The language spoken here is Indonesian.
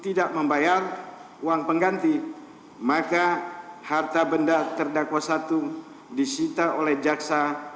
tiga menjatuhkan pidana kepada terdakwa dua subiharto